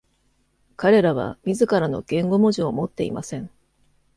彼らは自らの言語文字を持っていません。